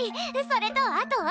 それとあとは。